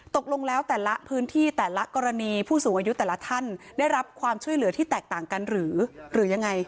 ตกลงแล้วแต่ละพื้นที่แต่ละกรณีผู้สูงอายุแต่ละท่านได้รับความช่วยเหลือที่แตกต่างกันหรือหรือยังไง